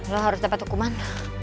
lo harus dapet hukuman